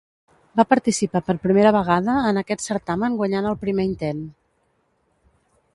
Va participar per primera vegada en aquest certamen guanyant al primer intent.